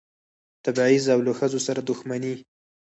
تبعیض او له ښځو سره دښمني.